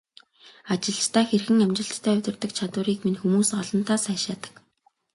Ажилчдаа хэрхэн амжилттай удирддаг чадварыг минь хүмүүс олонтаа сайшаадаг.